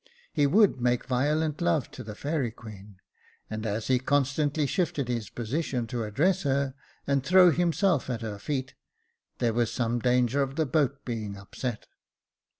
He would make violent love to the fairy queen ; and as he constantly shifted his position to address her and throw himself at her feet, there was some danger of the boat being upset.